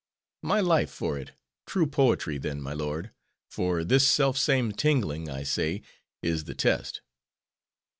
"My life for it! true poetry, then, my lord! For this self same tingling, I say, is the test."